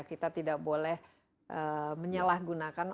kita tidak boleh menyalahgunakan